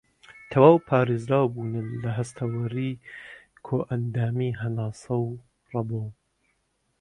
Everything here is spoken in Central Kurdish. تەواو پارێزراوبوونە لە هەستەوەری کۆئەندامی هەناسە و رەبۆ